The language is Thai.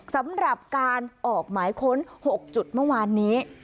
สำหรับการออกหมายค้น๖จุดเมื่อวานนี้